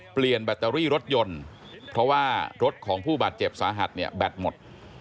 แบตเตอรี่รถยนต์เพราะว่ารถของผู้บาดเจ็บสาหัสเนี่ยแบตหมด